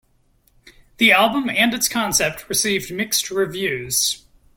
The album and its concept received mixed reviews.